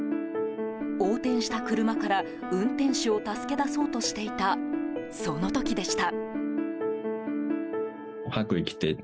横転した車から運転手を助け出そうとしていたその時でした。